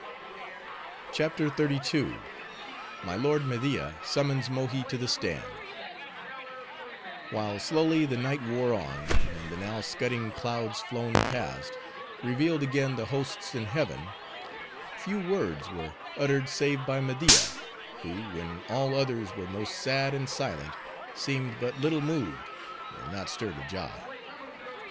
CHAPTER XXXII. My Lord Media Summons Mohi To The Stand While slowly the night wore on, and the now scudding clouds flown past, revealed again the hosts in heaven, few words were uttered save by Media; who, when all others were most sad and silent, seemed but little moved, or not stirred a jot.